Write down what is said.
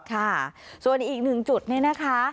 ค่ะส่วนอีกหนึ่งจุดเนี่ยนะคะ